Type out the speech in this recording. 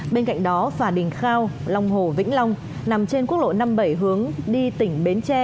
bên cạnh đó phà đình khao long hồ vĩnh long nằm trên quốc lộ năm mươi bảy hướng đi tỉnh bến tre